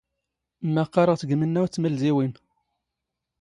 ⵎⵎⴰⵇⵇⴰⵔⵖ ⵜ ⴳ ⵎⵏⵏⴰⵡⵜ ⵜⵎⵍⴷⵉⵡⵉⵏ.